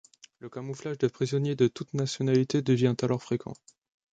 Le camouflage de prisonniers de toutes nationalités devient alors fréquent.